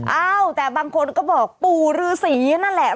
เอ้าแต่บางคนก็บอกปู่ฤษีนั่นแหละ